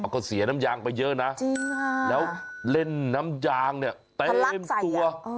ก็เสียน้ำยางไปเยอะนะแล้วเล่นน้ำยางเต็มตัวทะลักใส่